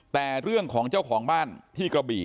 แต่เรื่องของเจ้าของบ้านที่กระบี่